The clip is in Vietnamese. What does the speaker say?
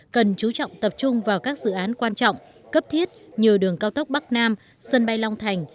cần chú trọng tập trung vào các dự án quan trọng cấp thiết như đường cao tốc bắc nam sân bay long thành